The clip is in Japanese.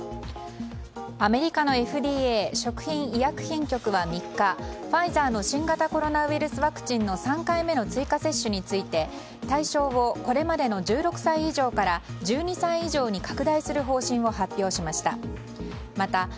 アメリカのＦＤＡ・食品医薬品局は３日ファイザーの新型コロナウイルスワクチンの３回目の追加接種について対象をこれまでの１６歳以上から１２歳以上に拡大する方針を発表しました。